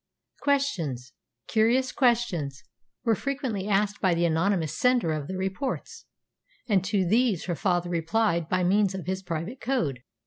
Questions, curious questions, were frequently asked by the anonymous sender of the reports; and to these her father replied by means of his private code.